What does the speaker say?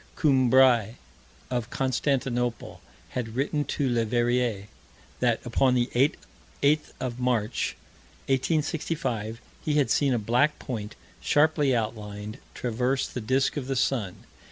Coumbray, of Constantinople, had written to Leverrier, that, upon the 8th of March, 1865, he had seen a black point, sharply outlined, traverse the disk of the sun.